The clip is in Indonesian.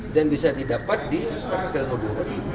dan bisa didapat di parkir parkir modul